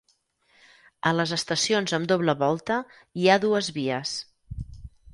A les estacions amb doble volta hi ha dues vies.